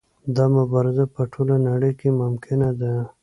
دا مبارزه په ټوله نړۍ کې ممکنه ده.